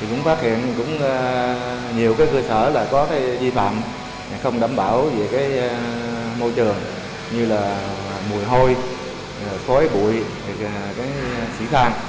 thì cũng phát hiện nhiều cơ sở có di phạm không đảm bảo về môi trường như mùi hôi khói bụi xỉ than